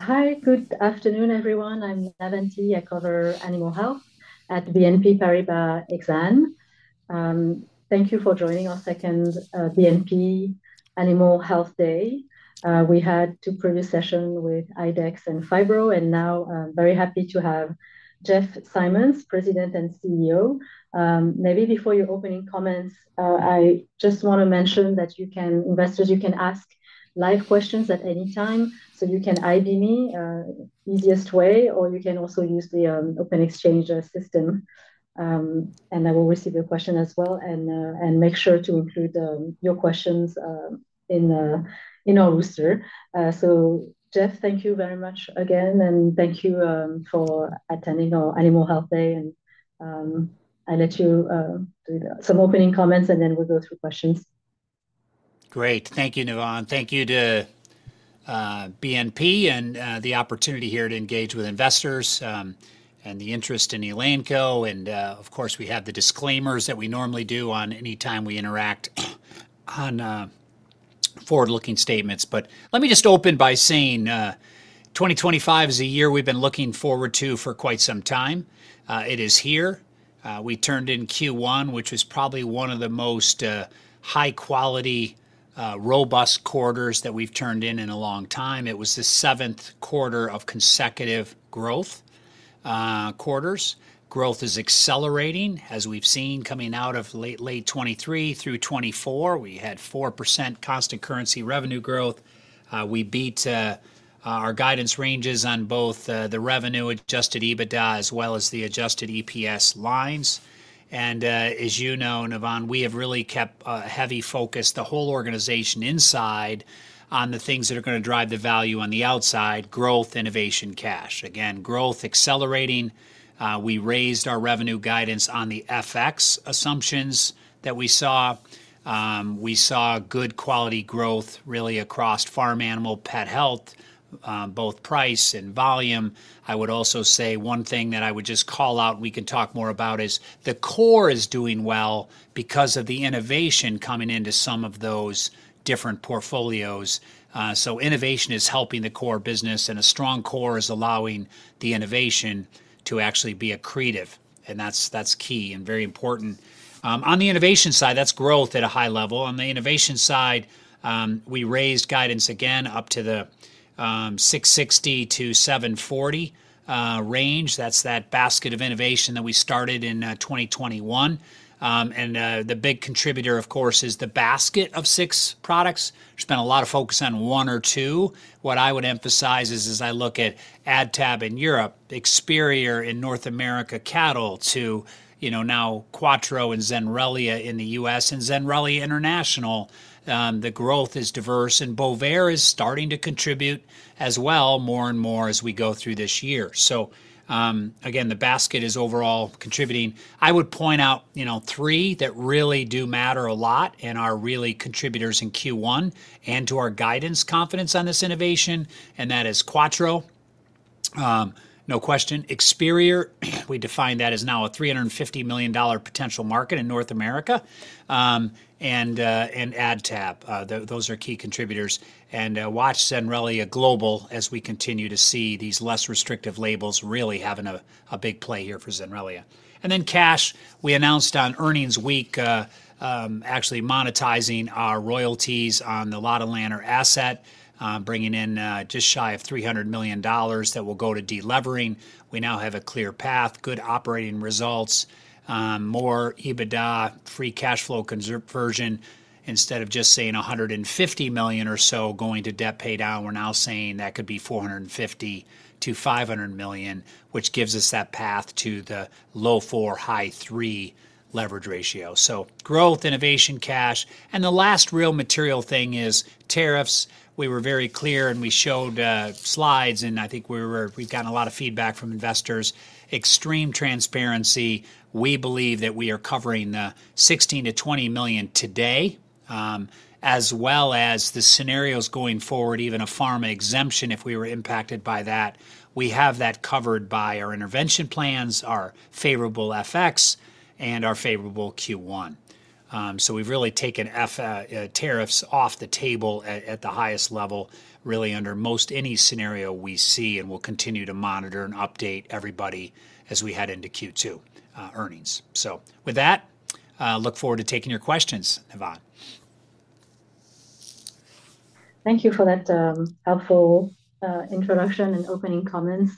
Hi, good afternoon, everyone. I'm Navann Ty. I cover animal health at BNP Paribas Exane. Thank you for joining our second BNP Animal Health Day. We had two previous sessions with IDEXX and FIBRO, and now I'm very happy to have Jeff Simmons, President and CEO. Maybe before your opening comments, I just want to mention that you can, investors, you can ask live questions at any time, so you can ID me the easiest way, or you can also use the open exchange system, and I will receive your question as well, and make sure to include your questions in our roster. Jeff, thank you very much again, and thank you for attending our Animal Health Day. I'll let you do some opening comments, and then we'll go through questions. Great. Thank you, Navann. Thank you to BNP and the opportunity here to engage with investors and the interest in Elanco. Of course, we have the disclaimers that we normally do any time we interact on forward-looking statements. Let me just open by saying 2025 is a year we've been looking forward to for quite some time. It is here. We turned in Q1, which was probably one of the most high-quality, robust quarters that we've turned in in a long time. It was the seventh quarter of consecutive growth quarters. Growth is accelerating, as we've seen coming out of late 2023 through 2024. We had 4% cost and currency revenue growth. We beat our guidance ranges on both the revenue adjusted EBITDA as well as the adjusted EPS lines. As you know, Navann, we have really kept a heavy focus, the whole organization inside, on the things that are going to drive the value on the outside: growth, innovation, cash. Again, growth accelerating. We raised our revenue guidance on the FX assumptions that we saw. We saw good quality growth really across farm animal pet health, both price and volume. I would also say one thing that I would just call out we can talk more about is the core is doing well because of the innovation coming into some of those different portfolios. Innovation is helping the core business, and a strong core is allowing the innovation to actually be accretive. That is key and very important. On the innovation side, that is growth at a high level. On the innovation side, we raised guidance again up to the $660-$740 range. That's that basket of innovation that we started in 2021. The big contributor, of course, is the basket of six products. There's been a lot of focus on one or two. What I would emphasize is, as I look at Adtab in Europe, Experior in North America cattle to now Quattro and Zenrelia in the U.S. and Zenrelia International, the growth is diverse, and Bovaer is starting to contribute as well more and more as we go through this year. Again, the basket is overall contributing. I would point out three that really do matter a lot and are really contributors in Q1 and to our guidance confidence on this innovation, and that is Quattro, no question. Experior, we define that as now a $350 million potential market in North America, and Adtab. Those are key contributors. Watch Zenrelia Global as we continue to see these less restrictive labels really having a big play here for Zenrelia. Cash, we announced on earnings week actually monetizing our royalties on the Lottolander asset, bringing in just shy of $300 million that will go to delivering. We now have a clear path, good operating results, more EBITDA, free cash flow conversion instead of just saying $150 million or so going to debt pay down. We are now saying that could be $450-$500 million, which gives us that path to the low four, high three leverage ratio. Growth, innovation, cash. The last real material thing is tariffs. We were very clear, and we showed slides, and I think we have gotten a lot of feedback from investors. Extreme transparency. We believe that we are covering the $16-$20 million today, as well as the scenarios going forward, even a pharma exemption if we were impacted by that. We have that covered by our intervention plans, our favorable FX, and our favorable Q1. We have really taken tariffs off the table at the highest level, really under most any scenario we see, and we will continue to monitor and update everybody as we head into Q2 earnings. With that, look forward to taking your questions, Navann. Thank you for that helpful introduction and opening comments.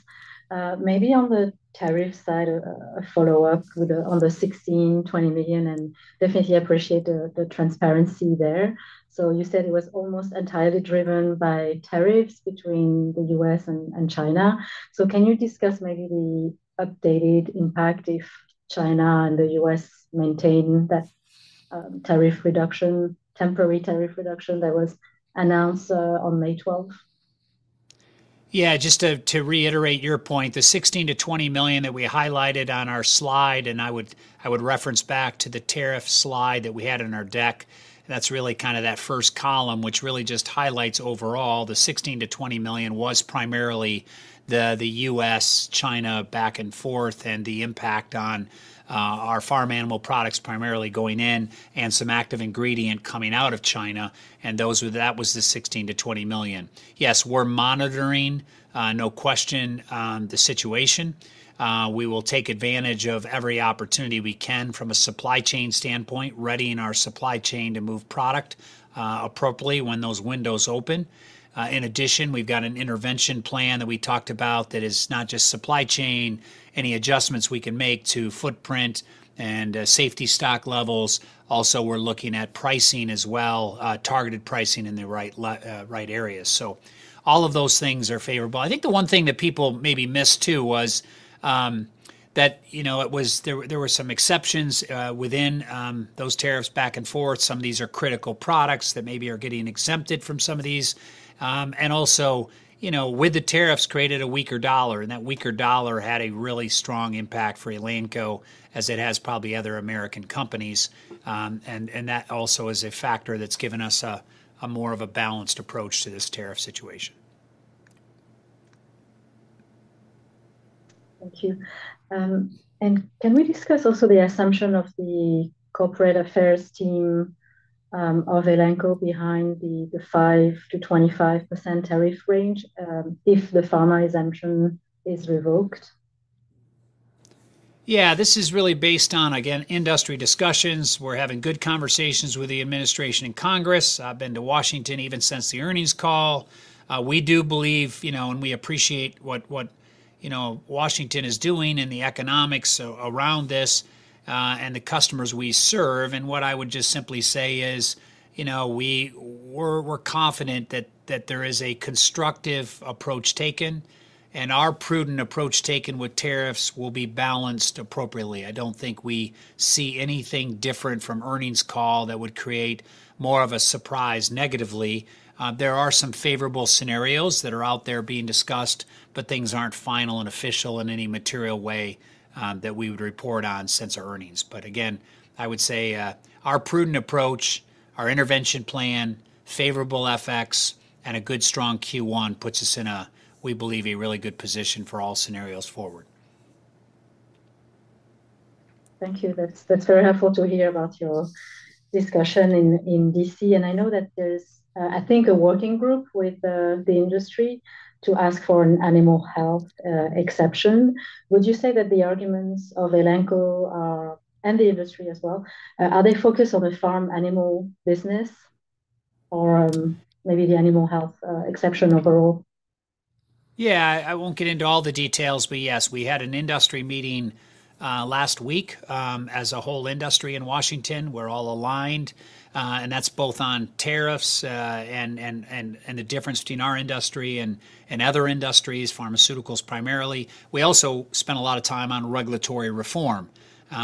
Maybe on the tariff side, a follow-up on the $16 million, $20 million, and definitely appreciate the transparency there. You said it was almost entirely driven by tariffs between the U.S. and China. Can you discuss maybe the updated impact if China and the U.S. maintain that temporary tariff reduction that was announced on May 12? Yeah, just to reiterate your point, the $16-$20 million that we highlighted on our slide, and I would reference back to the tariff slide that we had in our deck. That's really kind of that first column, which really just highlights overall the $16-$20 million was primarily the U.S.-China back and forth and the impact on our farm animal products primarily going in and some active ingredient coming out of China. And that was the $16-$20 million. Yes, we're monitoring, no question, the situation. We will take advantage of every opportunity we can from a supply chain standpoint, readying our supply chain to move product appropriately when those windows open. In addition, we've got an intervention plan that we talked about that is not just supply chain, any adjustments we can make to footprint and safety stock levels. Also, we're looking at pricing as well, targeted pricing in the right areas. All of those things are favorable. I think the one thing that people maybe missed too was that there were some exceptions within those tariffs back and forth. Some of these are critical products that maybe are getting exempted from some of these. Also, with the tariffs created a weaker dollar, and that weaker dollar had a really strong impact for Elanco as it has probably other American companies. That also is a factor that's given us more of a balanced approach to this tariff situation. Thank you. Can we discuss also the assumption of the corporate affairs team of Elanco behind the 5-25% tariff range if the pharma exemption is revoked? Yeah, this is really based on, again, industry discussions. We're having good conversations with the administration and Congress. I've been to Washington even since the earnings call. We do believe, and we appreciate what Washington is doing in the economics around this and the customers we serve. What I would just simply say is we're confident that there is a constructive approach taken, and our prudent approach taken with tariffs will be balanced appropriately. I don't think we see anything different from earnings call that would create more of a surprise negatively. There are some favorable scenarios that are out there being discussed, but things aren't final and official in any material way that we would report on since our earnings. I would say our prudent approach, our intervention plan, favorable FX, and a good strong Q1 puts us in a, we believe, a really good position for all scenarios forward. Thank you. That's very helpful to hear about your discussion in D.C. I know that there's, I think, a working group with the industry to ask for an animal health exception. Would you say that the arguments of Elanco and the industry as well, are they focused on the farm animal business or maybe the animal health exception overall? Yeah, I won't get into all the details, but yes, we had an industry meeting last week as a whole industry in Washington. We're all aligned, and that's both on tariffs and the difference between our industry and other industries, pharmaceuticals primarily. We also spent a lot of time on regulatory reform,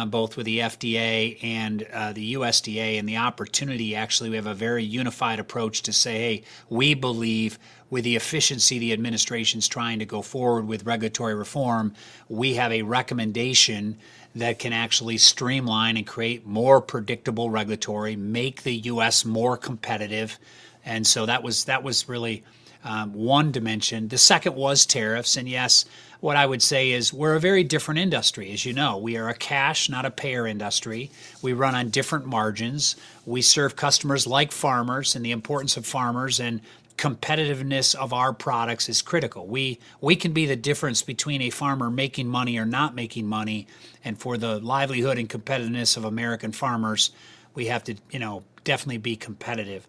both with the FDA and the USDA, and the opportunity, actually, we have a very unified approach to say, hey, we believe with the efficiency the administration's trying to go forward with regulatory reform, we have a recommendation that can actually streamline and create more predictable regulatory, make the U.S. more competitive. That was really one dimension. The second was tariffs. Yes, what I would say is we're a very different industry, as you know. We are a cash, not a payer industry. We run on different margins. We serve customers like farmers, and the importance of farmers and competitiveness of our products is critical. We can be the difference between a farmer making money or not making money. For the livelihood and competitiveness of American farmers, we have to definitely be competitive.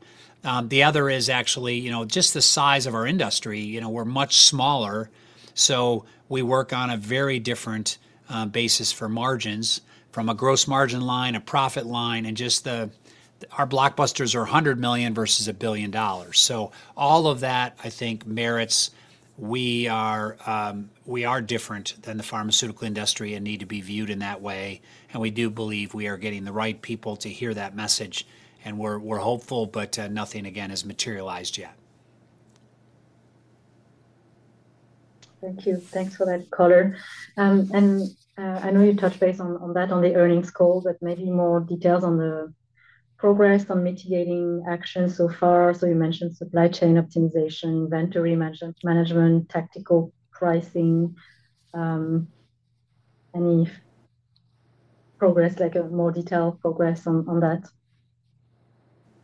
The other is actually just the size of our industry. We are much smaller, so we work on a very different basis for margins from a gross margin line, a profit line, and just our blockbusters are $100 million versus a billion dollars. All of that, I think, merits we are different than the pharmaceutical industry and need to be viewed in that way. We do believe we are getting the right people to hear that message, and we are hopeful, but nothing, again, has materialized yet. Thank you. Thanks for that color. I know you touched base on that, on the earnings call, but maybe more details on the progress on mitigating actions so far. You mentioned supply chain optimization, inventory management, tactical pricing. Any progress, like a more detailed progress on that?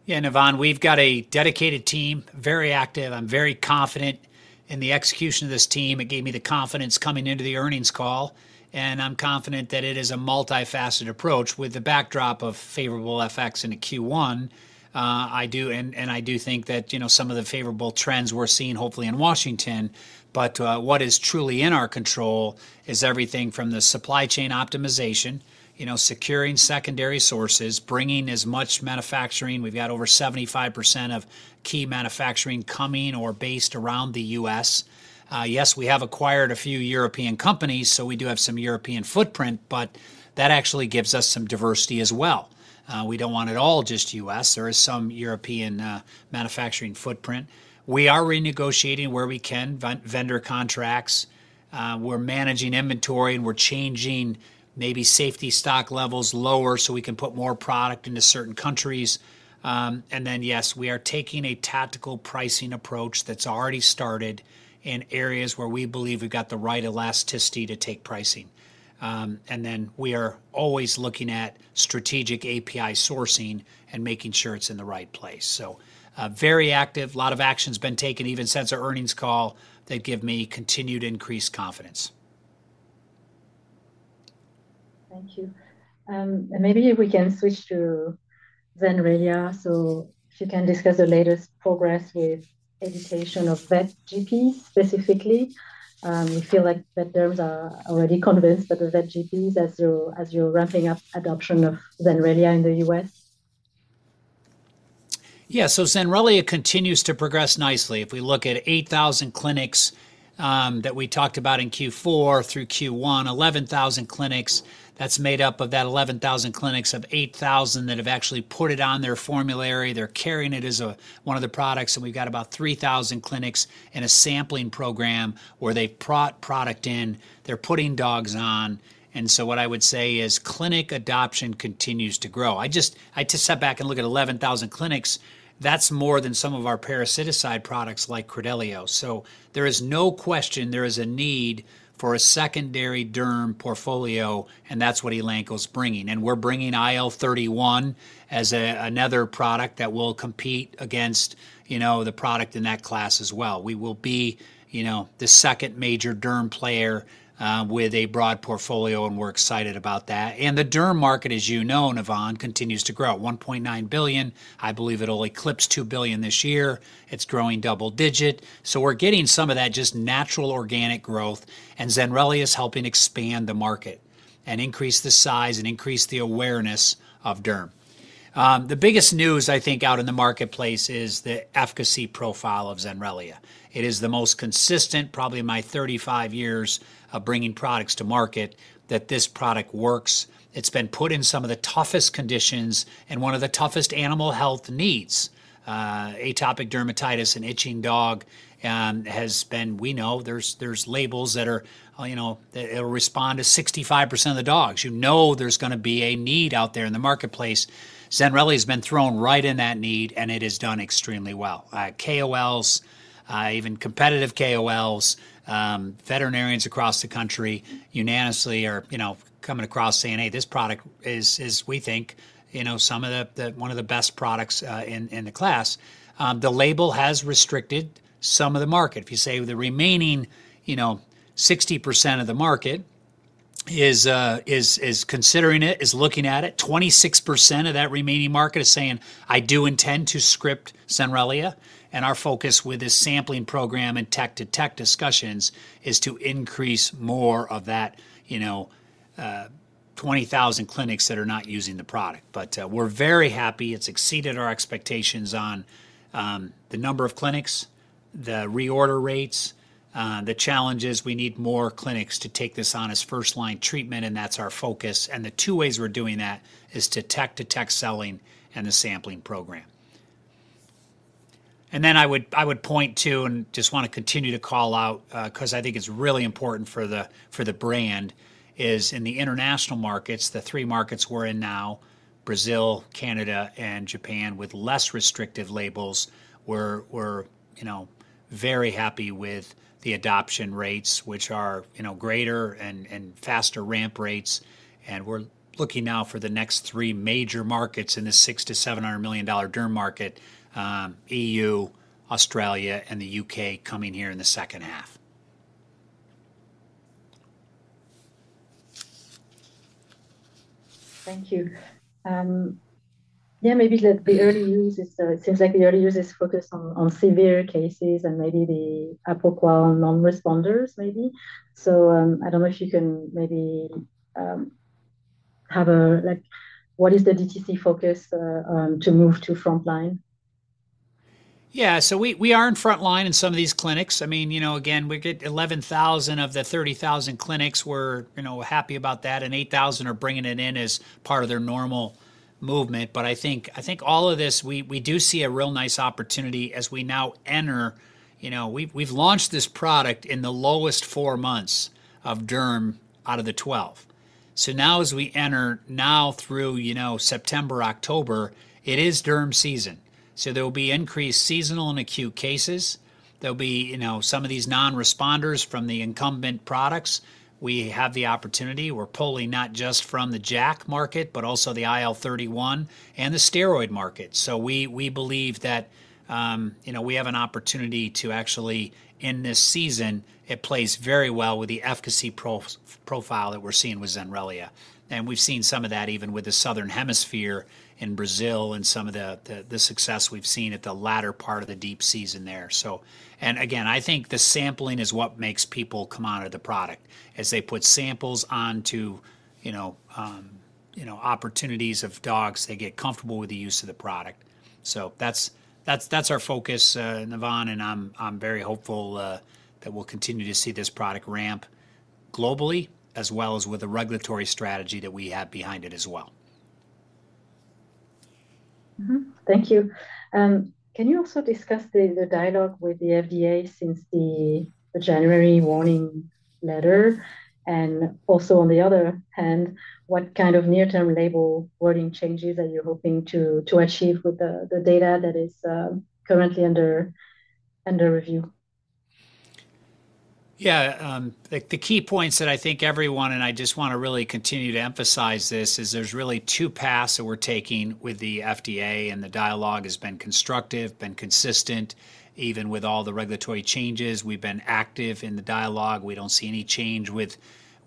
Yeah, Navann, we've got a dedicated team, very active. I'm very confident in the execution of this team. It gave me the confidence coming into the earnings call, and I'm confident that it is a multifaceted approach with the backdrop of favorable FX in the Q1. I do think that some of the favorable trends we're seeing, hopefully in Washington, but what is truly in our control is everything from the supply chain optimization, securing secondary sources, bringing as much manufacturing. We've got over 75% of key manufacturing coming or based around the US. Yes, we have acquired a few European companies, so we do have some European footprint, but that actually gives us some diversity as well. We don't want it all just US. There is some European manufacturing footprint. We are renegotiating where we can vendor contracts. We're managing inventory, and we're changing maybe safety stock levels lower so we can put more product into certain countries. Yes, we are taking a tactical pricing approach that's already started in areas where we believe we've got the right elasticity to take pricing. We are always looking at strategic API sourcing and making sure it's in the right place. Very active, a lot of action's been taken even since our earnings call. They've given me continued increased confidence. Thank you. Maybe we can switch to Zenrelia. If you can discuss the latest progress with education of VetGP specifically. You feel like that there's already convinced that the VetGPs as you're ramping up adoption of Zenrelia in the U.S.? Yeah, so Zenrelia continues to progress nicely. If we look at 8,000 clinics that we talked about in Q4 through Q1, 11,000 clinics. That's made up of that 11,000 clinics of 8,000 that have actually put it on their formulary. They're carrying it as one of the products. And we've got about 3,000 clinics in a sampling program where they've brought product in. They're putting dogs on. And so what I would say is clinic adoption continues to grow. I just sat back and looked at 11,000 clinics. That's more than some of our parasiticide products like Credelio. So there is no question there is a need for a secondary derm portfolio, and that's what Elanco's bringing. And we're bringing IL-31 as another product that will compete against the product in that class as well. We will be the second major derm player with a broad portfolio, and we're excited about that. The derm market, as you know, Navann, continues to grow. $1.9 billion. I believe it'll eclipse $2 billion this year. It's growing double digit. We are getting some of that just natural organic growth, and Zenrelia is helping expand the market and increase the size and increase the awareness of derm. The biggest news, I think, out in the marketplace is the efficacy profile of Zenrelia. It is the most consistent, probably my 35 years of bringing products to market, that this product works. It's been put in some of the toughest conditions and one of the toughest animal health needs. Atopic dermatitis and itching dog has been, we know there's labels that will respond to 65% of the dogs. You know there's going to be a need out there in the marketplace. Zenrelia has been thrown right in that need, and it has done extremely well. KOLs, even competitive KOLs, veterinarians across the country unanimously are coming across saying, "Hey, this product is, we think, one of the best products in the class." The label has restricted some of the market. If you say the remaining 60% of the market is considering it, is looking at it, 26% of that remaining market is saying, "I do intend to script Zenrelia." Our focus with this sampling program and tech-to-tech discussions is to increase more of that 20,000 clinics that are not using the product. We are very happy. It's exceeded our expectations on the number of clinics, the reorder rates, the challenges. We need more clinics to take this on as first-line treatment, and that's our focus. The two ways we're doing that is through tech-to-tech selling and the sampling program. I would point to, and just want to continue to call out because I think it's really important for the brand, in the international markets, the three markets we're in now, Brazil, Canada, and Japan, with less restrictive labels, we're very happy with the adoption rates, which are greater and faster ramp rates. We're looking now for the next three major markets in the $600 million-$700 million derm market: E.U., Australia, and the U.K. coming here in the second half. Thank you. Yeah, maybe the early use, it seems like the early use is focused on severe cases and maybe the apocalyptic non-responders, maybe. I do not know if you can maybe have a, what is the DTC focus to move to frontline? Yeah, so we are in frontline in some of these clinics. I mean, again, we get 11,000 of the 30,000 clinics. We're happy about that, and 8,000 are bringing it in as part of their normal movement. I think all of this, we do see a real nice opportunity as we now enter. We've launched this product in the lowest four months of derm out of the 12. Now as we enter now through September, October, it is derm season. There will be increased seasonal and acute cases. There'll be some of these non-responders from the incumbent products. We have the opportunity. We're pulling not just from the JAK market, but also the IL-31 and the steroid market. We believe that we have an opportunity to actually, in this season, it plays very well with the efficacy profile that we're seeing with Zenrelia. We have seen some of that even with the southern hemisphere in Brazil and some of the success we have seen at the latter part of the deep season there. I think the sampling is what makes people come on to the product. As they put samples onto opportunities of dogs, they get comfortable with the use of the product. That is our focus, Navann, and I am very hopeful that we will continue to see this product ramp globally as well as with the regulatory strategy that we have behind it as well. Thank you. Can you also discuss the dialogue with the FDA since the January warning letter? Also, on the other hand, what kind of near-term label wording changes are you hoping to achieve with the data that is currently under review? Yeah, the key points that I think everyone, and I just want to really continue to emphasize this, is there's really two paths that we're taking with the FDA, and the dialogue has been constructive, been consistent, even with all the regulatory changes. We've been active in the dialogue. We don't see any change with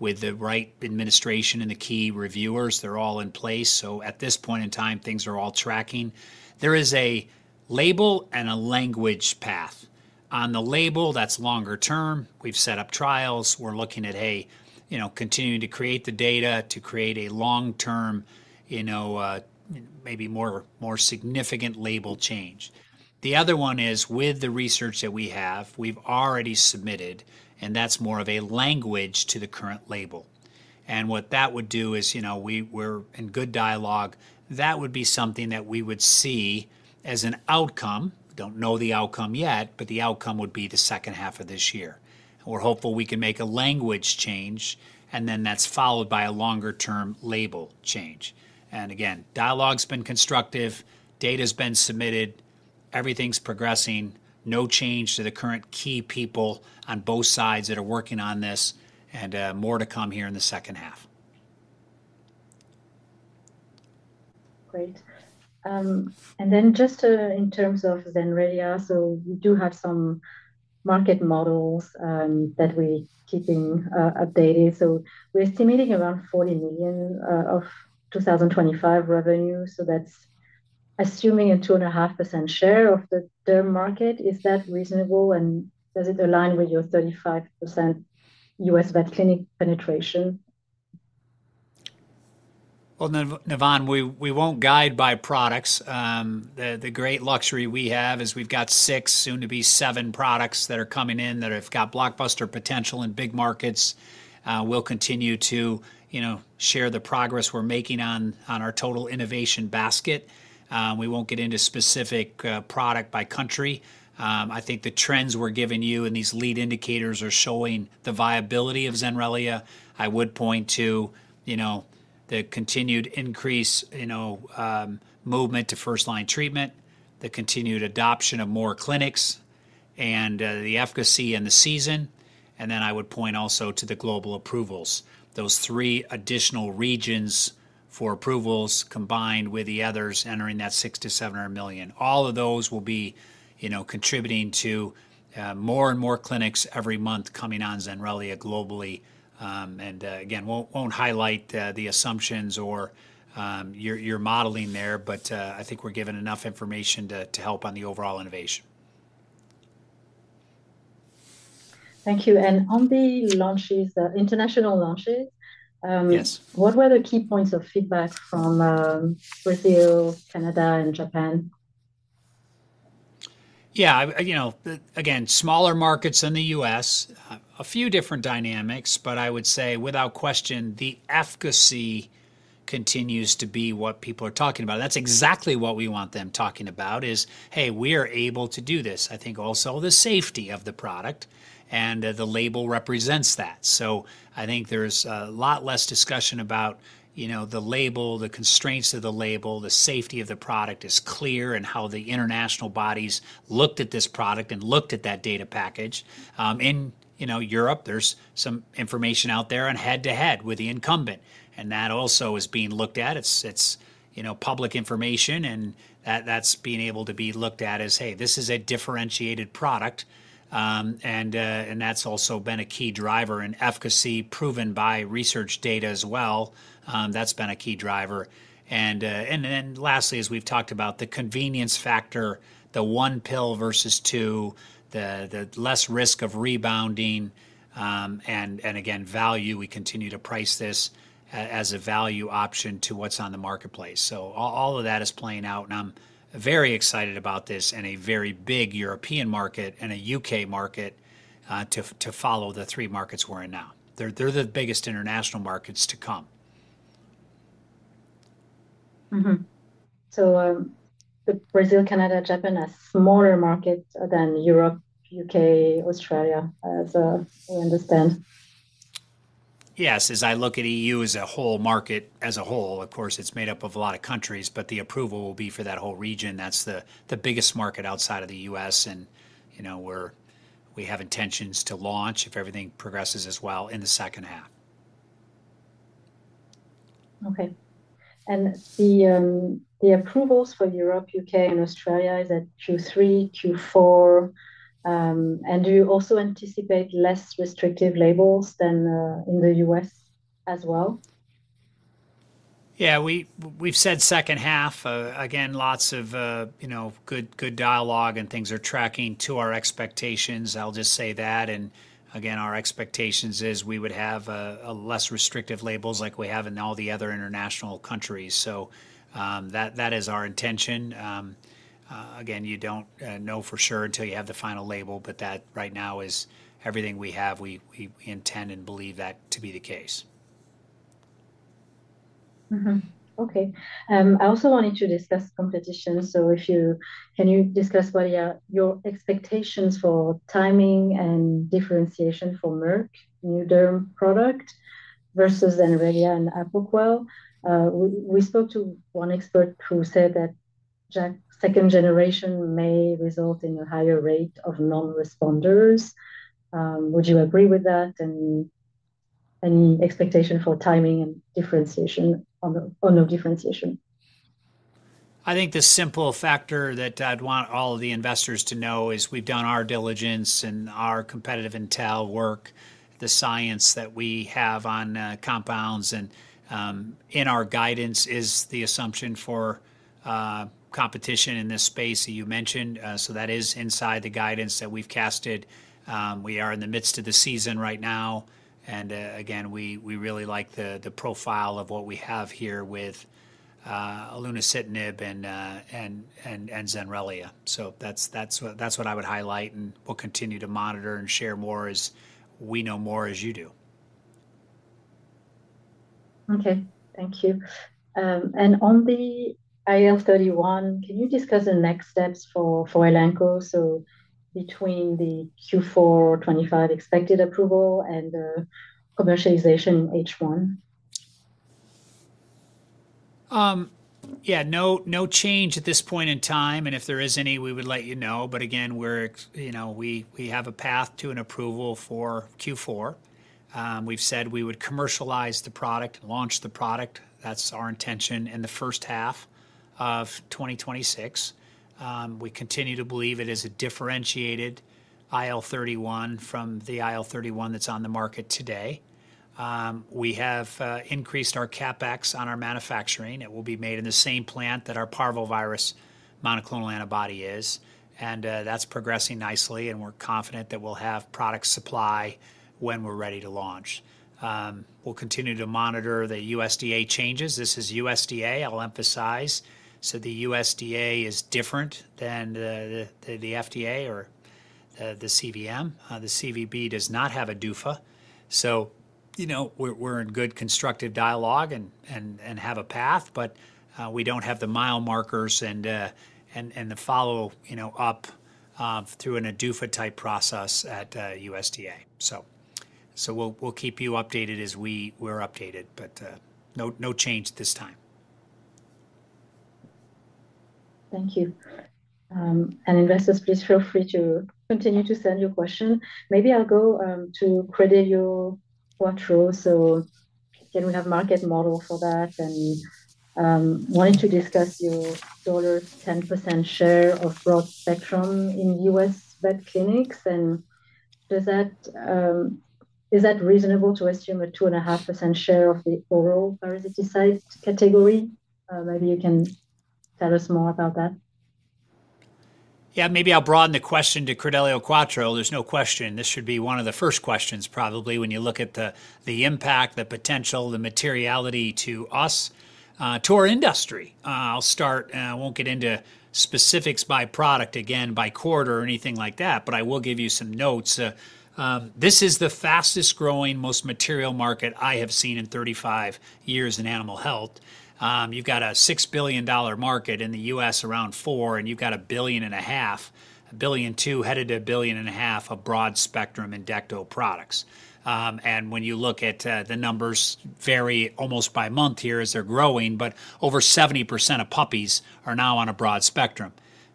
the right administration and the key reviewers. They're all in place. At this point in time, things are all tracking. There is a label and a language path. On the label, that's longer term. We've set up trials. We're looking at, hey, continuing to create the data to create a long-term, maybe more significant label change. The other one is with the research that we have, we've already submitted, and that's more of a language to the current label. What that would do is we're in good dialogue. That would be something that we would see as an outcome. Do not know the outcome yet, but the outcome would be the second half of this year. We are hopeful we can make a language change, and then that is followed by a longer-term label change. Again, dialogue has been constructive. Data has been submitted. Everything is progressing. No change to the current key people on both sides that are working on this, and more to come here in the second half. Great. In terms of Zenrelia, we do have some market models that we're keeping updated. We're estimating around $40 million of 2025 revenue. That's assuming a 2.5% share of the derm market. Is that reasonable? Does it align with your 35% U.S. vet clinic penetration? Navann, we won't guide by products. The great luxury we have is we've got six, soon to be seven products that are coming in that have got blockbuster potential in big markets. We'll continue to share the progress we're making on our total innovation basket. We won't get into specific product by country. I think the trends we're giving you and these lead indicators are showing the viability of Zenrelia. I would point to the continued increase movement to first-line treatment, the continued adoption of more clinics, and the efficacy and the season. I would point also to the global approvals. Those three additional regions for approvals combined with the others entering that $600 million-$700 million. All of those will be contributing to more and more clinics every month coming on Zenrelia globally. Again, won't highlight the assumptions or your modeling there, but I think we're given enough information to help on the overall innovation. Thank you. On the launches, the international launches, what were the key points of feedback from Brazil, Canada, and Japan? Yeah, again, smaller markets in the U.S., a few different dynamics, but I would say without question, the efficacy continues to be what people are talking about. That's exactly what we want them talking about is, "Hey, we are able to do this." I think also the safety of the product and the label represents that. I think there's a lot less discussion about the label, the constraints of the label, the safety of the product is clear and how the international bodies looked at this product and looked at that data package. In Europe, there's some information out there on head-to-head with the incumbent, and that also is being looked at. It's public information, and that's being able to be looked at as, "Hey, this is a differentiated product." That's also been a key driver and efficacy proven by research data as well. That's been a key driver. Lastly, as we've talked about, the convenience factor, the one pill versus two, the less risk of rebounding, and again, value. We continue to price this as a value option to what's on the marketplace. All of that is playing out, and I'm very excited about this and a very big European market and a U.K. market to follow the three markets we're in now. They're the biggest international markets to come. Brazil, Canada, Japan are smaller markets than Europe, U.K., Australia, as we understand. Yes, as I look at E.U. as a whole market as a whole, of course, it's made up of a lot of countries, but the approval will be for that whole region. That's the biggest market outside of the US, and we have intentions to launch if everything progresses as well in the second half. Okay. And the approvals for Europe, U.K., and Australia, is that Q3, Q4? And do you also anticipate less restrictive labels than in the U.S. as well? Yeah, we've said second half. Again, lots of good dialogue and things are tracking to our expectations. I'll just say that. Our expectation is we would have less restrictive labels like we have in all the other international countries. That is our intention. You do not know for sure until you have the final label, but that right now is everything we have. We intend and believe that to be the case. Okay. I also wanted to discuss competition. Can you discuss what are your expectations for timing and differentiation for Merck new derm product versus Zenrelia and Apocoal? We spoke to one expert who said that second generation may result in a higher rate of non-responders. Would you agree with that? Any expectation for timing and differentiation on the differentiation? I think the simple factor that I'd want all of the investors to know is we've done our diligence and our competitive intel work. The science that we have on compounds and in our guidance is the assumption for competition in this space that you mentioned. That is inside the guidance that we've casted. We are in the midst of the season right now. Again, we really like the profile of what we have here with Alunacitinib and Zenrelia. That is what I would highlight, and we'll continue to monitor and share more as we know more as you do. Okay. Thank you. And on the IL-31, can you discuss the next steps for Elanco? So between the Q4 2025 expected approval and commercialization H1? Yeah, no change at this point in time. If there is any, we would let you know. Again, we have a path to an approval for Q4. We've said we would commercialize the product and launch the product. That's our intention in the first half of 2026. We continue to believe it is a differentiated IL-31 from the IL-31 that's on the market today. We have increased our CapEx on our manufacturing. It will be made in the same plant that our parvovirus monoclonal antibody is. That's progressing nicely, and we're confident that we'll have product supply when we're ready to launch. We'll continue to monitor the USDA changes. This is USDA, I'll emphasize. The USDA is different than the FDA or the CVB. The CVB does not have ADUFA. We're in good constructive dialogue and have a path, but we don't have the mile markers and the follow-up through an ADUFA-type process at USDA. We'll keep you updated as we're updated, but no change at this time. Thank you. Investors, please feel free to continue to send your questions. Maybe I'll go to Credelio Quattro. Again, we have market model for that. I wanted to discuss your $10% share of broad spectrum in U.S. vet clinics. Is that reasonable to assume a 2.5% share of the oral parasiticide category? Maybe you can tell us more about that. Yeah, maybe I'll broaden the question to Credelio Quattro. There's no question. This should be one of the first questions probably when you look at the impact, the potential, the materiality to us, to our industry. I'll start, and I won't get into specifics by product again, by quarter or anything like that, but I will give you some notes. This is the fastest growing, most material market I have seen in 35 years in animal health. You've got a $6 billion market in the US, around $4 billion, and you've got $1.5 billion, $1.2 billion, headed to $1.5 billion of broad spectrum in DECTO products. And when you look at the numbers, vary almost by month here as they're growing, but over 70% of puppies are now on a broad spectrum.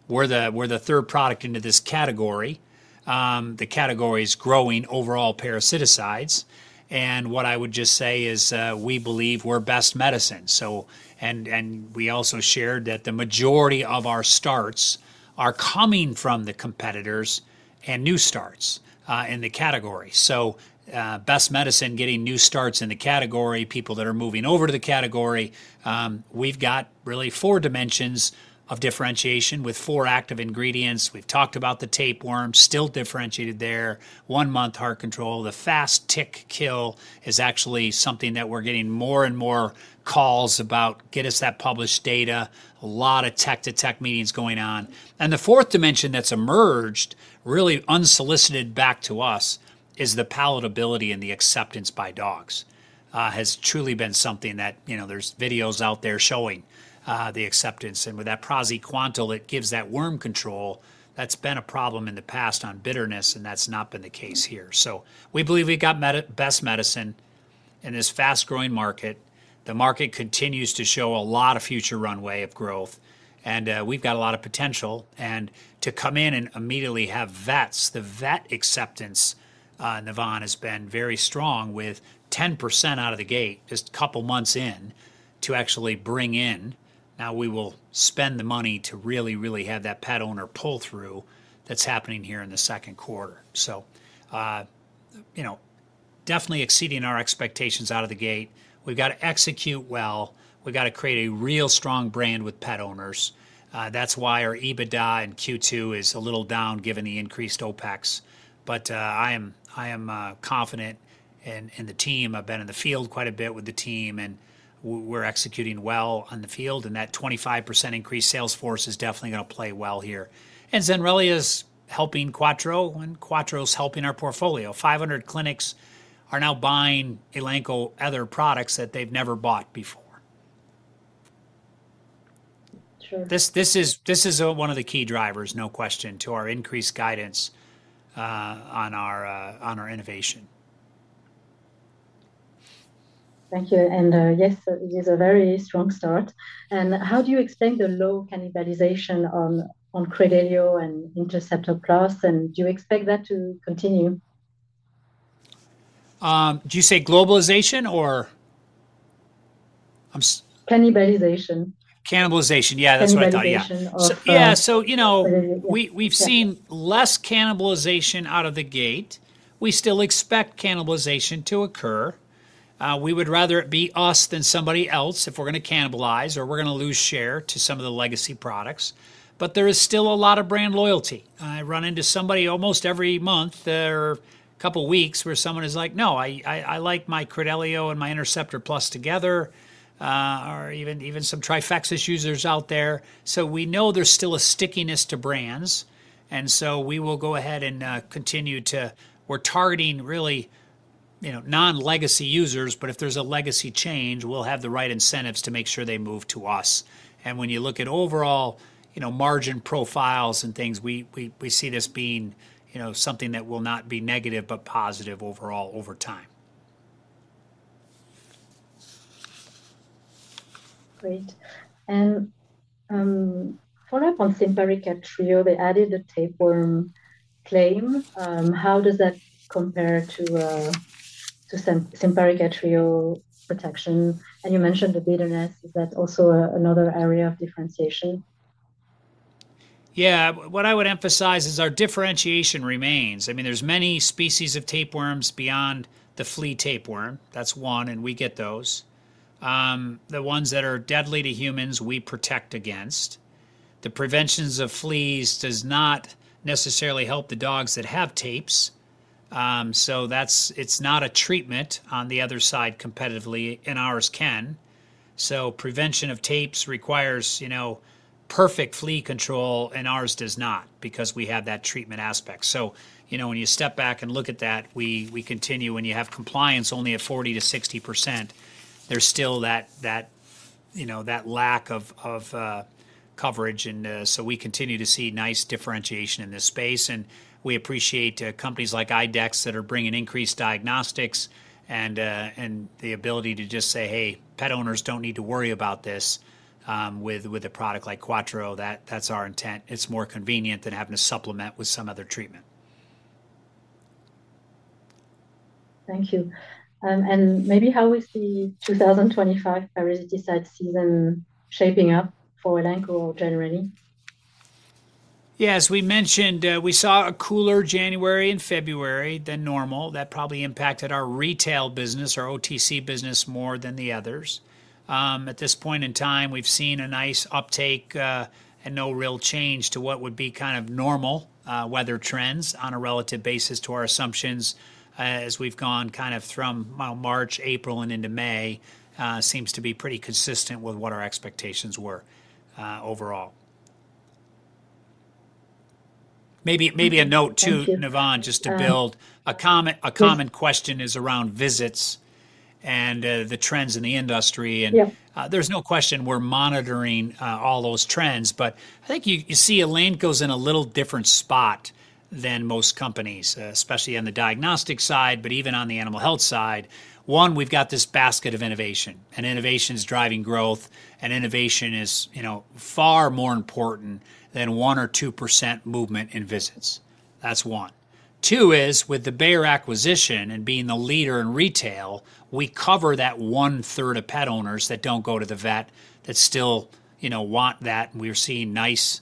We're the third product into this category. The category is growing overall parasiticides. What I would just say is we believe we're best medicine. We also shared that the majority of our starts are coming from the competitors and new starts in the category. Best medicine getting new starts in the category, people that are moving over to the category. We've got really four dimensions of differentiation with four active ingredients. We've talked about the tapeworm, still differentiated there, one-month heart control. The fast tick kill is actually something that we're getting more and more calls about. Get us that published data. A lot of tech-to-tech meetings going on. The fourth dimension that's emerged, really unsolicited back to us, is the palatability and the acceptance by dogs has truly been something that there's videos out there showing the acceptance. With that Proseconto, it gives that worm control. That's been a problem in the past on bitterness, and that's not been the case here. We believe we've got best medicine in this fast-growing market. The market continues to show a lot of future runway of growth, and we've got a lot of potential. To come in and immediately have vets, the vet acceptance, Navann, has been very strong with 10% out of the gate just a couple of months in to actually bring in. Now we will spend the money to really, really have that pet owner pull through that's happening here in the second quarter. Definitely exceeding our expectations out of the gate. We've got to execute well. We've got to create a real strong brand with pet owners. That's why our EBITDA in Q2 is a little down given the increased OpEx. I am confident in the team. I've been in the field quite a bit with the team, and we're executing well on the field. That 25% increased sales force is definitely going to play well here. Zenrelia is helping Quattro, and Quattro is helping our portfolio. 500 clinics are now buying Elanco other products that they've never bought before. This is one of the key drivers, no question, to our increased guidance on our innovation. Thank you. Yes, it is a very strong start. How do you explain the low cannibalization on Credelio Quattro and Interceptor Plus? Do you expect that to continue? Did you say globalization or? Cannibalization. Cannibalization, yeah, that's what I thought, yeah. Cannibalization. Yeah, so we've seen less cannibalization out of the gate. We still expect cannibalization to occur. We would rather it be us than somebody else if we're going to cannibalize or we're going to lose share to some of the legacy products. There is still a lot of brand loyalty. I run into somebody almost every month or a couple of weeks where someone is like, "No, I like my Credelio and my Interceptor Plus together," or even some Trifexis users out there. We know there's still a stickiness to brands. We will go ahead and continue to, we're targeting really non-legacy users, but if there's a legacy change, we'll have the right incentives to make sure they move to us. When you look at overall margin profiles and things, we see this being something that will not be negative but positive overall over time. Great. And follow up on Simparica Trio, they added the tapeworm claim. How does that compare to Simparica Trio protection? And you mentioned the bitterness. Is that also another area of differentiation? Yeah, what I would emphasize is our differentiation remains. I mean, there's many species of tapeworms beyond the flea tapeworm. That's one, and we get those. The ones that are deadly to humans, we protect against. The preventions of fleas do not necessarily help the dogs that have tapes. It's not a treatment on the other side competitively, and ours can. Prevention of tapes requires perfect flea control, and ours does not because we have that treatment aspect. When you step back and look at that, we continue. When you have compliance only at 40-60%, there's still that lack of coverage. We continue to see nice differentiation in this space. We appreciate companies like IDEXX that are bringing increased diagnostics and the ability to just say, "Hey, pet owners don't need to worry about this with a product like Quattro." That's our intent. It's more convenient than having to supplement with some other treatment. Thank you. And maybe how we see 2025 parasiticide season shaping up for Elanco generally. Yeah, as we mentioned, we saw a cooler January and February than normal. That probably impacted our retail business, our OTC business more than the others. At this point in time, we've seen a nice uptake and no real change to what would be kind of normal weather trends on a relative basis to our assumptions as we've gone kind of from March, April, and into May seems to be pretty consistent with what our expectations were overall. Maybe a note too, Navann, just to build a common question is around visits and the trends in the industry. There's no question we're monitoring all those trends, but I think you see Elanco's in a little different spot than most companies, especially on the diagnostic side, but even on the animal health side. One, we've got this basket of innovation, and innovation is driving growth, and innovation is far more important than 1 or 2% movement in visits. That's one. Two is with the Bayer acquisition and being the leader in retail, we cover that one-third of pet owners that do not go to the vet that still want that. We are seeing nice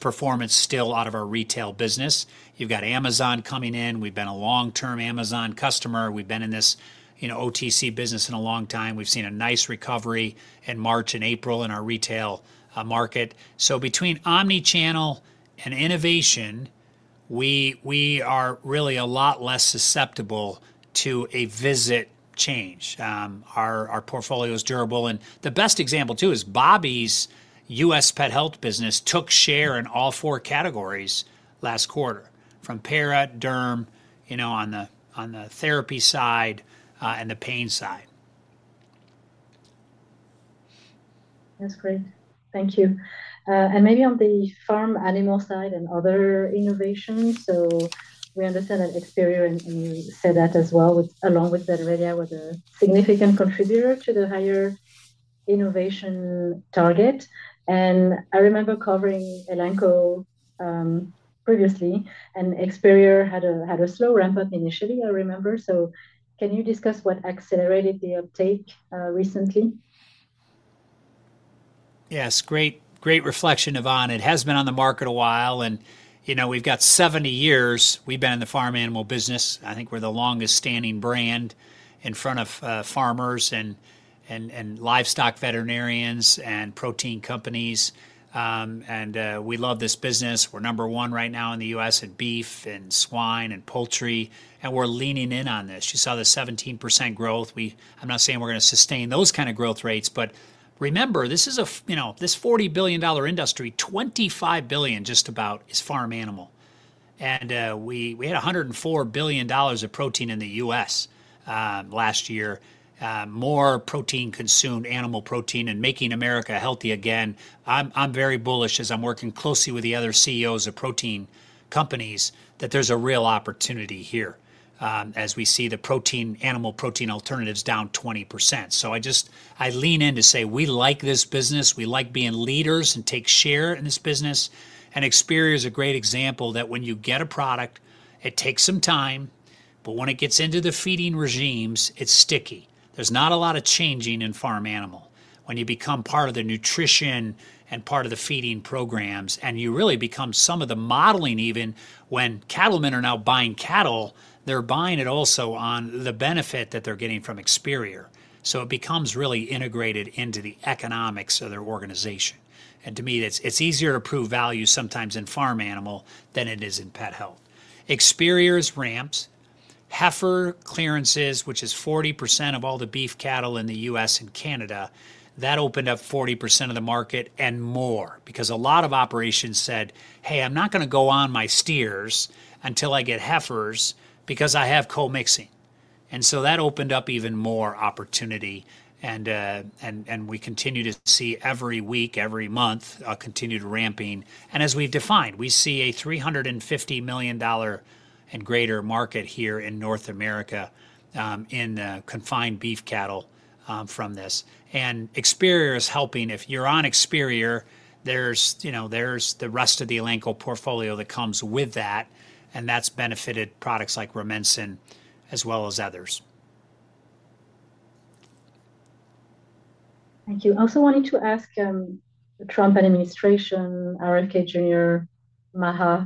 performance still out of our retail business. You've got Amazon coming in. We've been a long-term Amazon customer. We've been in this OTC business a long time. We've seen a nice recovery in March and April in our retail market. Between omnichannel and innovation, we are really a lot less susceptible to a visit change. Our portfolio is durable. The best example too is Bobby's US Pet Health business took share in all four categories last quarter from para, derm, on the therapy side and the pain side. That's great. Thank you. Maybe on the farm animal side and other innovations. We understand that Experior, as well as Zenrelia, were the significant contributor to the higher innovation target. I remember covering Elanco previously, and Experior had a slow ramp-up initially, I remember. Can you discuss what accelerated the uptake recently? Yes, great reflection, Navann. It has been on the market a while. We have 70 years we have been in the farm animal business. I think we are the longest-standing brand in front of farmers and livestock veterinarians and protein companies. We love this business. We are number one right now in the U.S. in beef and swine and poultry. We are leaning in on this. You saw the 17% growth. I am not saying we are going to sustain those kind of growth rates, but remember, this $40 billion industry, $25 billion just about is farm animal. We had $104 billion of protein in the U.S. last year, more protein consumed, animal protein, and making America healthy again. I am very bullish as I am working closely with the other CEOs of protein companies that there is a real opportunity here as we see the protein animal protein alternatives down 20%. I lean in to say we like this business. We like being leaders and take share in this business. Experior is a great example that when you get a product, it takes some time, but when it gets into the feeding regimes, it's sticky. There's not a lot of changing in farm animal when you become part of the nutrition and part of the feeding programs, and you really become some of the modeling even when cattlemen are now buying cattle, they're buying it also on the benefit that they're getting from Experior. It becomes really integrated into the economics of their organization. To me, it's easier to prove value sometimes in farm animal than it is in pet health. Experior's ramps, heifer clearances, which is 40% of all the beef cattle in the U.S. and Canada, that opened up 40% of the market and more because a lot of operations said, "Hey, I'm not going to go on my steers until I get heifers because I have co-mixing." That opened up even more opportunity. We continue to see every week, every month, a continued ramping. As we've defined, we see a $350 million and greater market here in North America in confined beef cattle from this. Experior is helping. If you're on Experior, there's the rest of the Elanco portfolio that comes with that, and that's benefited products like Rumensin as well as others. Thank you. I also wanted to ask the Trump administration, RFK Jr., Ma,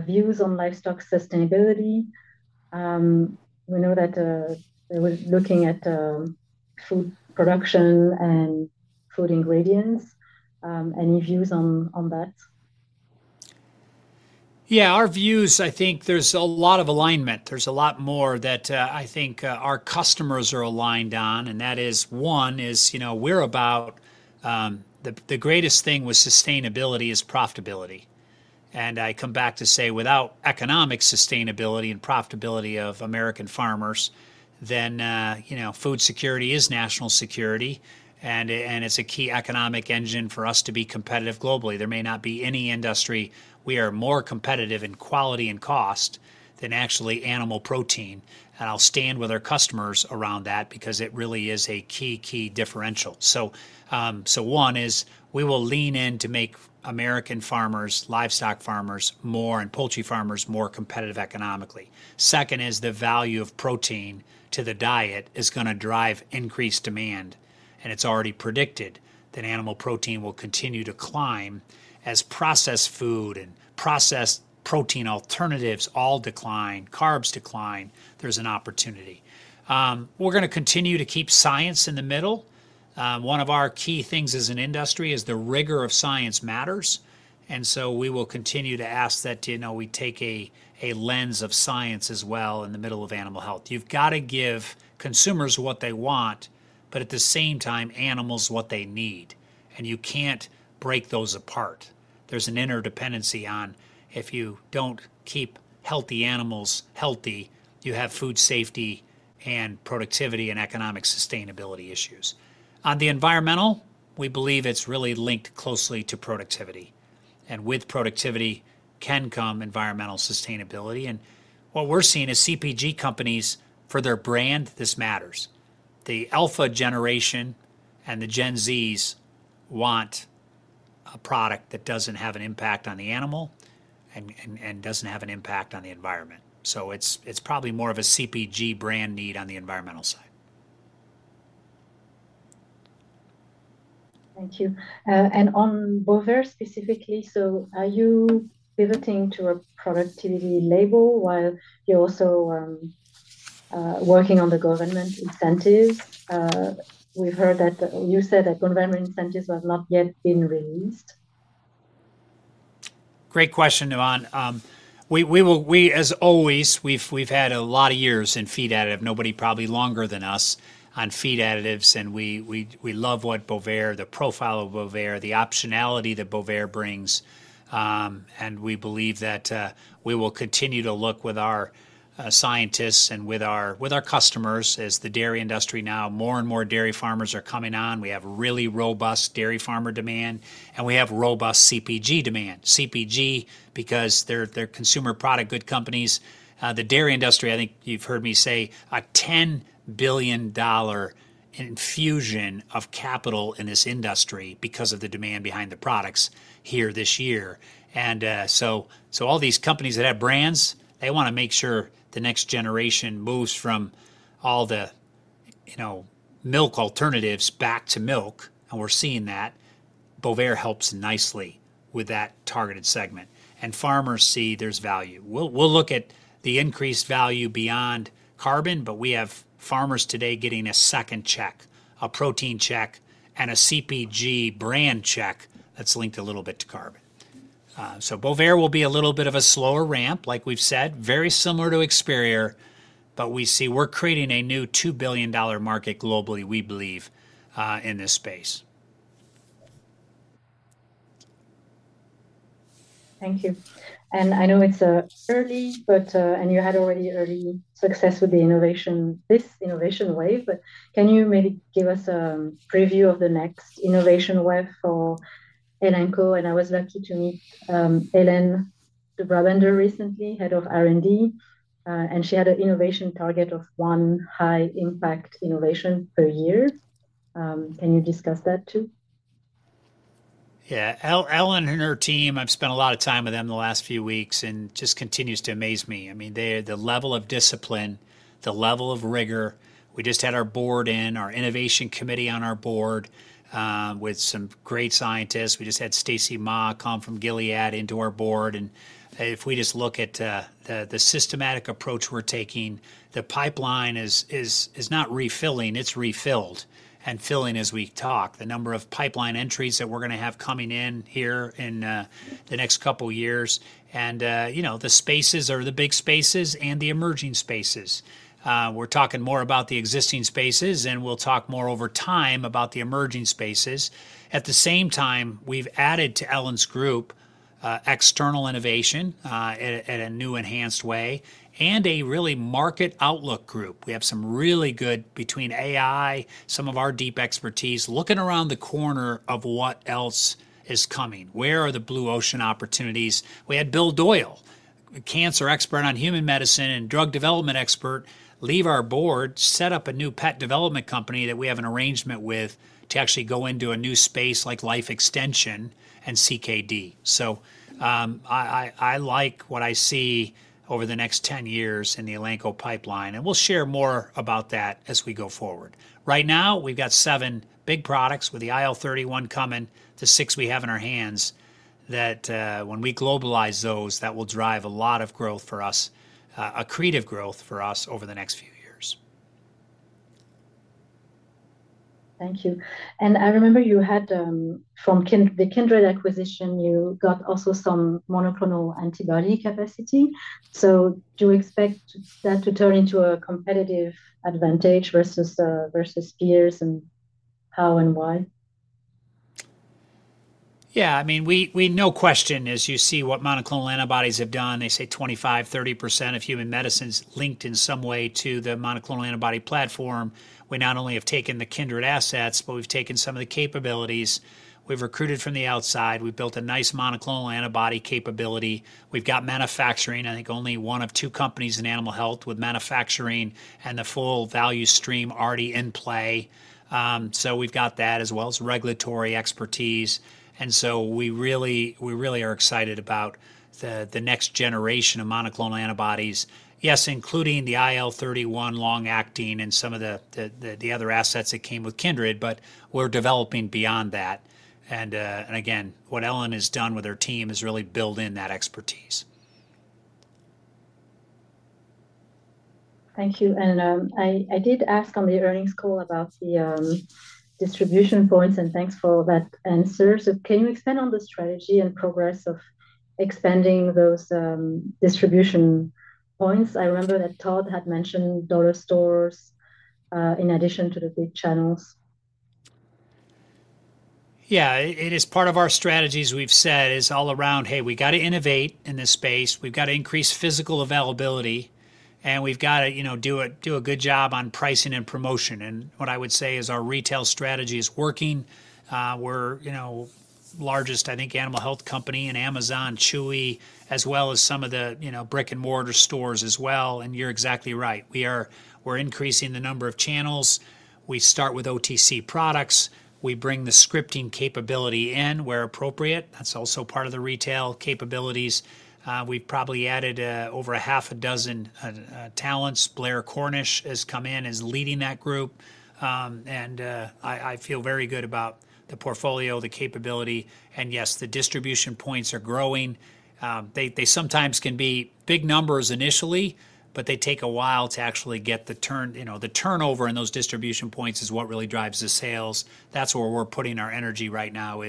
views on livestock sustainability. We know that they were looking at food production and food ingredients. Any views on that? Yeah, our views, I think there's a lot of alignment. There's a lot more that I think our customers are aligned on. That is, one is we're about the greatest thing with sustainability is profitability. I come back to say without economic sustainability and profitability of American farmers, then food security is national security, and it's a key economic engine for us to be competitive globally. There may not be any industry we are more competitive in quality and cost than actually animal protein. I'll stand with our customers around that because it really is a key, key differential. One is we will lean in to make American farmers, livestock farmers, and poultry farmers more competitive economically. Second is the value of protein to the diet is going to drive increased demand. It is already predicted that animal protein will continue to climb as processed food and processed protein alternatives all decline, carbs decline, there is an opportunity. We are going to continue to keep science in the middle. One of our key things as an industry is the rigor of science matters. We will continue to ask that we take a lens of science as well in the middle of animal health. You have got to give consumers what they want, but at the same time, animals what they need. You cannot break those apart. There is an interdependency on if you do not keep healthy animals healthy, you have food safety and productivity and economic sustainability issues. On the environmental, we believe it is really linked closely to productivity. With productivity can come environmental sustainability. What we are seeing is CPG companies for their brand, this matters. The Alpha generation and the Gen Zs want a product that doesn't have an impact on the animal and doesn't have an impact on the environment. It's probably more of a CPG brand need on the environmental side. Thank you. On Bovaer specifically, are you pivoting to a productivity label while you're also working on the government incentives? We've heard that you said that government incentives have not yet been released. Great question, Navann. As always, we've had a lot of years in feed additive, nobody probably longer than us on feed additives. We love what Bovaer, the profile of Bovaer, the optionality that Bovaer brings. We believe that we will continue to look with our scientists and with our customers as the dairy industry now, more and more dairy farmers are coming on. We have really robust dairy farmer demand, and we have robust CPG demand. CPG because they're consumer product good companies. The dairy industry, I think you've heard me say a $10 billion infusion of capital in this industry because of the demand behind the products here this year. All these companies that have brands, they want to make sure the next generation moves from all the milk alternatives back to milk. We're seeing that. Bovaer helps nicely with that targeted segment. Farmers see there is value. We will look at the increased value beyond carbon, but we have farmers today getting a second check, a protein check, and a CPG brand check that is linked a little bit to carbon. Bovaer will be a little bit of a slower ramp, like we have said, very similar to Experior, but we see we are creating a new $2 billion market globally, we believe, in this space. Thank you. I know it's early, and you had already early success with the innovation, this innovation wave. Can you maybe give us a preview of the next innovation wave for Elanco? I was lucky to meet Ellen de Brabander recently, head of R&D, and she had an innovation target of one high-impact innovation per year. Can you discuss that too? Yeah, Ellen and her team, I've spent a lot of time with them the last few weeks and just continues to amaze me. I mean, the level of discipline, the level of rigor. We just had our board in, our innovation committee on our board with some great scientists. We just had Stacy Ma come from Gilead into our board. If we just look at the systematic approach we're taking, the pipeline is not refilling, it's refilled and filling as we talk. The number of pipeline entries that we're going to have coming in here in the next couple of years. The spaces are the big spaces and the emerging spaces. We're talking more about the existing spaces, and we'll talk more over time about the emerging spaces. At the same time, we've added to Ellen's group external innovation in a new enhanced way and a really market outlook group. We have some really good between AI, some of our deep expertise looking around the corner of what else is coming. Where are the blue ocean opportunities? We had Bill Doyle, cancer expert on human medicine and drug development expert, leave our board, set up a new pet development company that we have an arrangement with to actually go into a new space like life extension and CKD. I like what I see over the next 10 years in the Elanco pipeline. We'll share more about that as we go forward. Right now, we've got seven big products with the IL-31 coming to six we have in our hands that when we globalize those, that will drive a lot of growth for us, accretive growth for us over the next few years. Thank you. I remember you had from the Kindred acquisition, you got also some monoclonal antibody capacity. Do you expect that to turn into a competitive advantage versus peers and how and why? Yeah, I mean, no question as you see what monoclonal antibodies have done. They say 25%-30% of human medicines linked in some way to the monoclonal antibody platform. We not only have taken the Kindred assets, but we've taken some of the capabilities. We've recruited from the outside. We've built a nice monoclonal antibody capability. We've got manufacturing, I think only one of two companies in animal health with manufacturing and the full value stream already in play. We have that as well as regulatory expertise. We really are excited about the next generation of monoclonal antibodies, yes, including the IL-31 long-acting and some of the other assets that came with Kindred, but we're developing beyond that. What Ellen has done with her team is really build in that expertise. Thank you. I did ask on the earnings call about the distribution points, and thanks for that answer. Can you expand on the strategy and progress of expanding those distribution points? I remember that Todd had mentioned dollar stores in addition to the big channels. Yeah, it is part of our strategy as we've said is all around, hey, we got to innovate in this space. We've got to increase physical availability, and we've got to do a good job on pricing and promotion. What I would say is our retail strategy is working. We're the largest, I think, animal health company in Amazon, Chewy, as well as some of the brick and mortar stores as well. You're exactly right. We're increasing the number of channels. We start with OTC products. We bring the scripting capability in where appropriate. That's also part of the retail capabilities. We've probably added over half a dozen talents. Blair Cornish has come in as leading that group. I feel very good about the portfolio, the capability, and yes, the distribution points are growing. They sometimes can be big numbers initially, but they take a while to actually get the turnover. Those distribution points are what really drive the sales. That's where we're putting our energy right now,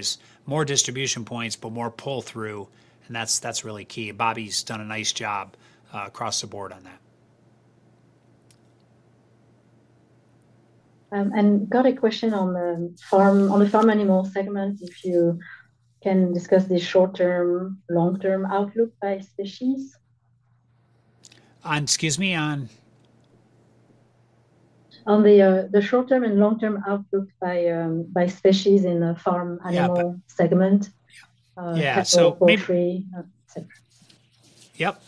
more distribution points, but more pull-through. That's really key. Bobby's done a nice job across the board on that. I got a question on the farm animal segment. If you can discuss the short-term, long-term outlook by species. Excuse me? On the short-term and long-term outlook by species in the farm animal segment. Yeah, so. Yep.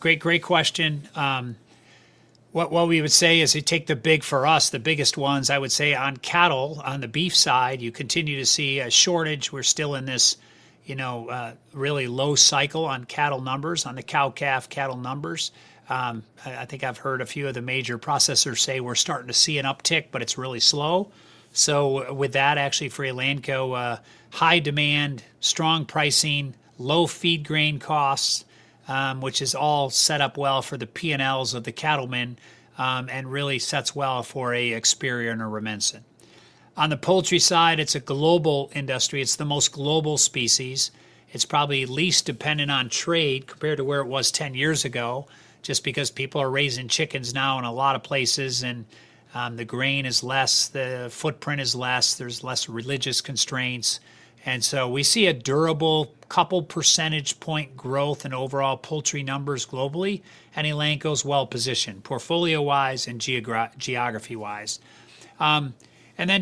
Great, great question. What we would say is we take the big for us, the biggest ones. I would say on cattle, on the beef side, you continue to see a shortage. We're still in this really low cycle on cattle numbers, on the cow-calf cattle numbers. I think I've heard a few of the major processors say we're starting to see an uptick, but it's really slow. With that, actually for Elanco, high demand, strong pricing, low feed grain costs, which is all set up well for the P&Ls of the cattlemen and really sets well for an Experior and a Rumensin. On the poultry side, it's a global industry. It's the most global species. It's probably least dependent on trade compared to where it was 10 years ago just because people are raising chickens now in a lot of places and the grain is less, the footprint is less, there's less religious constraints. We see a durable couple percentage point growth in overall poultry numbers globally. Elanco's well positioned portfolio-wise and geography-wise.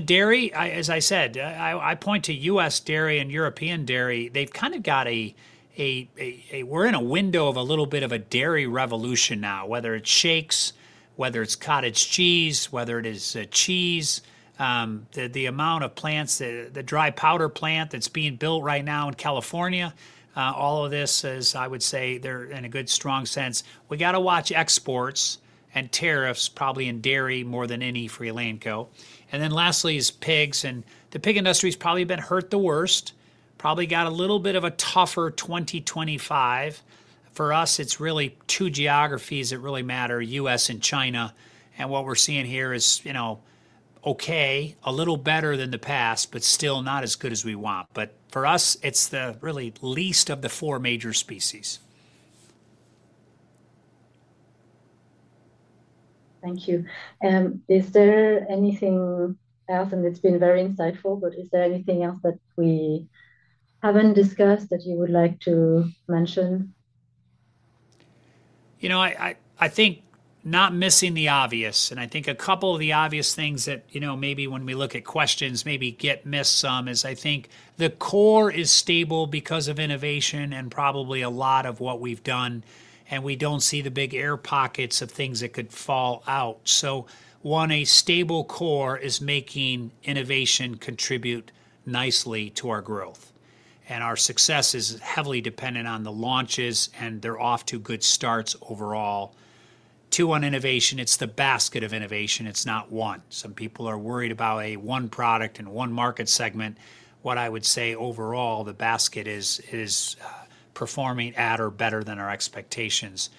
Dairy, as I said, I point to US dairy and European dairy. They've kind of got a, we're in a window of a little bit of a dairy revolution now, whether it's shakes, whether it's cottage cheese, whether it is cheese. The amount of plants, the dry powder plant that's being built right now in California, all of this is, I would say they're in a good strong sense. We got to watch exports and tariffs probably in dairy more than any for Elanco. Lastly is pigs. The pig industry has probably been hurt the worst, probably got a little bit of a tougher 2025. For us, it's really two geographies that really matter, U.S. and China. What we're seeing here is okay, a little better than the past, but still not as good as we want. For us, it's the really least of the four major species. Thank you. Is there anything else, and it has been very insightful, but is there anything else that we have not discussed that you would like to mention? You know, I think not missing the obvious. I think a couple of the obvious things that maybe when we look at questions, maybe get missed some is I think the core is stable because of innovation and probably a lot of what we've done. We don't see the big air pockets of things that could fall out. One, a stable core is making innovation contribute nicely to our growth. Our success is heavily dependent on the launches, and they're off to good starts overall. Two, on innovation, it's the basket of innovation. It's not one. Some people are worried about a one product and one market segment. What I would say overall, the basket is performing at or better than our expectations.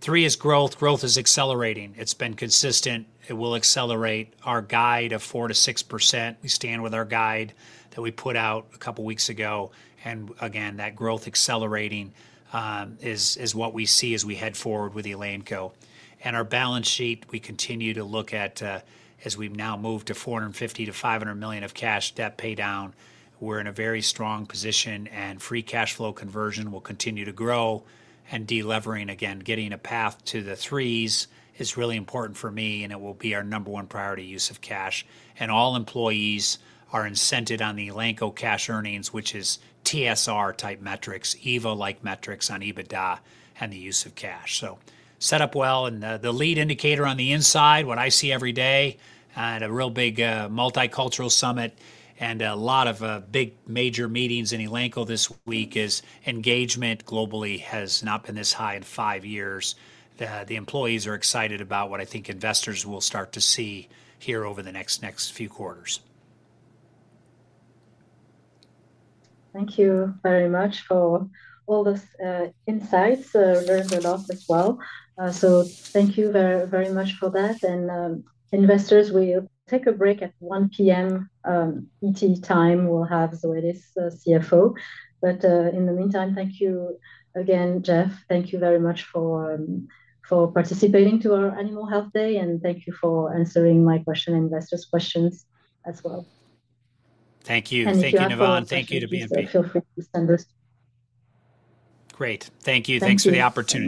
Three is growth. Growth is accelerating. It's been consistent. It will accelerate. Our guide of 4%-6%, we stand with our guide that we put out a couple of weeks ago. Again, that growth accelerating is what we see as we head forward with Elanco. Our balance sheet, we continue to look at as we've now moved to $450 million-$500 million of cash debt pay down. We're in a very strong position and free cash flow conversion will continue to grow. Delevering again, getting a path to the threes is really important for me, and it will be our number one priority use of cash. All employees are incented on the Elanco cash earnings, which is TSR type metrics, EVO-like metrics on EBITDA and the use of cash. Set up well. The lead indicator on the inside, what I see every day at a real big multicultural summit and a lot of big major meetings in Elanco this week is engagement globally has not been this high in five years. The employees are excited about what I think investors will start to see here over the next few quarters. Thank you very much for all those insights. Learned a lot as well. Thank you very much for that. Investors, we'll take a break at 1:00 P.M. ET. We'll have Zoe Lis, CFO. In the meantime, thank you again, Jeff. Thank you very much for participating in our Animal Health Day. Thank you for answering my question and investors' questions as well. Thank you. Thank you, Navann. Thank you to BNP. Great. Thank you. Thanks for the opportunity.